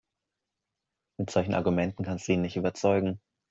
Mit solchen Argumenten kannst du ihn nicht überzeugen.